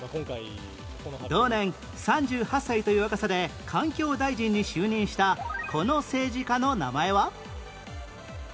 同年３８歳という若さで環境大臣に就任したこの政治家の名前は？